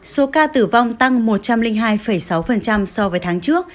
số ca tử vong tăng một trăm linh hai sáu so với tháng trước